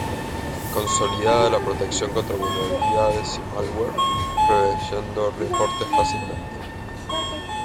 Consolida la protección contra vulnerabilidades y "malware", proveyendo reportes fácilmente.